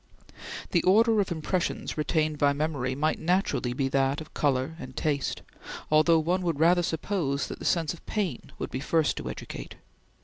The order of impressions retained by memory might naturally be that of color and taste, although one would rather suppose that the sense of pain would be first to educate.